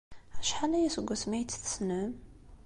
Acḥal aya seg wasmi ay tt-tessnem?